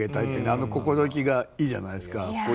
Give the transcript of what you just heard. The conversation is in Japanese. あの心意気がいいじゃないですか。